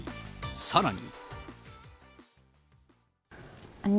さらに。